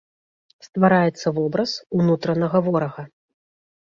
Ствараецца вобраз унутранага ворага.